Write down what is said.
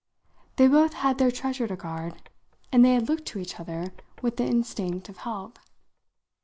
They both had their treasure to guard, and they had looked to each other with the instinct of help.